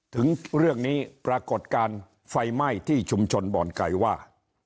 ถึงเรื่องนี้ปรากฏการณ์ไฟไหม้ที่ชุมชนบ่อนไก่ว่า